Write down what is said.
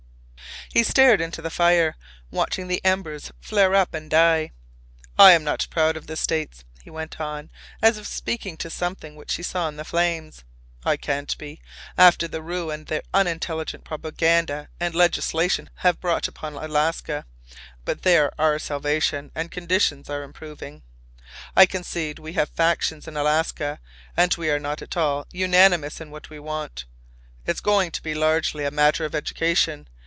He stared into the fire, watching the embers flare up and die. "I'm not proud of the States," he went on, as if speaking to something which he saw in the flames. "I can't be, after the ruin their unintelligent propaganda and legislation have brought upon Alaska. But they're our salvation and conditions are improving. I concede we have factions in Alaska and we are not at all unanimous in what we want. It's going to be largely a matter of education.